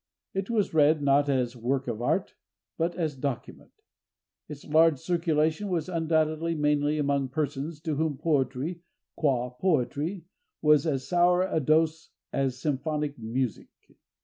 It was read, not as work of art, but as document; its large circulation was undoubtedly mainly among persons to whom poetry qua poetry was as sour a dose as symphonic music.